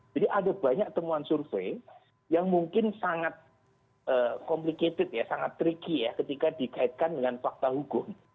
jadi ada banyak temuan survei yang mungkin sangat complicated sangat tricky ketika dikaitkan dengan fakta hukum